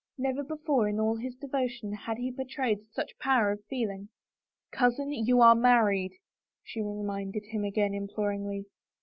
Never before, in all his devotion, had he betrayed such power of feeling. " Cousin, you are married," she reminded him again, imploringly.